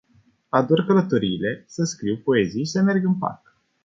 Ador călătoriile, să scriu poezii și să merg în parc.